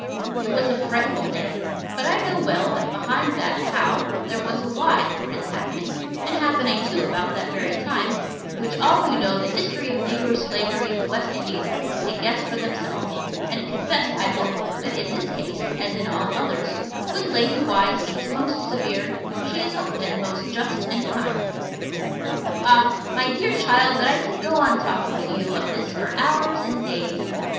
It was a frightful day, but I know well that behind that How there was a Why for its happening, and happening too, about that very time, which all who know the history of negro slavery in the West Indies can guess for themselves, and confess, I hope, that in this case, as in all others, when Lady Why seems most severe she is often most just and kind. Ah! my dear child, that I could go on talking to you of this for hours and days!